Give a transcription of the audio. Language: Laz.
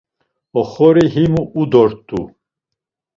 Oxori himu u dort̆u.